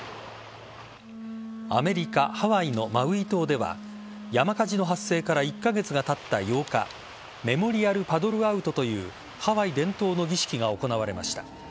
アメリカ・ハワイのマウイ島では山火事の発生から１カ月がたった８日メモリアルパドルアウトというハワイ伝統の儀式が行われました。